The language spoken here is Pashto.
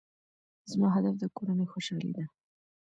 زما هدف د کورنۍ خوشحالي ده.